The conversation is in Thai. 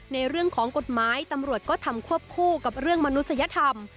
ในเรื่องของกฎหมายตำรวจก็ทำควบคู่กับเรื่องมนุษยธรรม